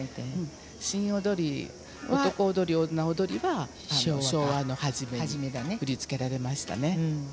新踊り、男踊り、女踊りは昭和の初めぐらいに振り付けられましたね。